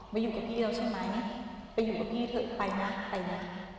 มาอยู่กับพี่แล้วใช่ไหมไปอยู่กับพี่เถอะไปนะไปนะ